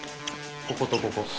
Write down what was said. こことここ。